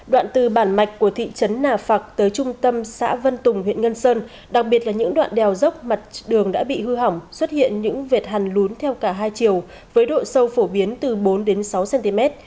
đoạn từ bản mạch của thị trấn nà phạc tới trung tâm xã vân tùng huyện ngân sơn đặc biệt là những đoạn đèo dốc mặt đường đã bị hư hỏng xuất hiện những vệt hàn lún theo cả hai chiều với độ sâu phổ biến từ bốn sáu cm